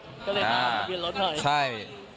ก็เลยบ้านจะเปลี่ยนรถใหม่